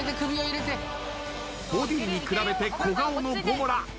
ボディーに比べて小顔のゴモラ。